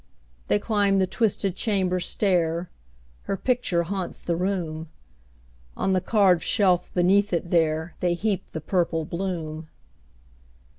They climb the twisted chamber stair; Her picture haunts the room; On the carved shelf beneath it there, They heap the purple bloom.